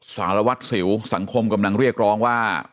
สารวัตรสิวสังคมกำลังเรียกร้องว่า